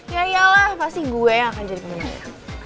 ya iyalah pasti gue yang akan jadi pemainnya